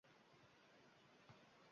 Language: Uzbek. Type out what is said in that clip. Uning yigirmanchi soni so'nggisi bo'ldi.